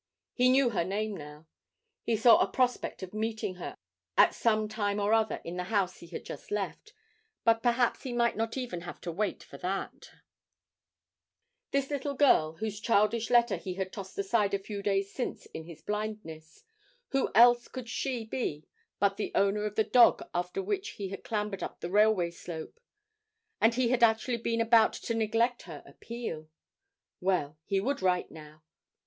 He knew her name now; he saw a prospect of meeting her at some time or other in the house he had just left; but perhaps he might not even have to wait for that. This little girl, whose childish letter he had tossed aside a few days since in his blindness, who else could she be but the owner of the dog after which he had clambered up the railway slope? And he had actually been about to neglect her appeal! Well, he would write now.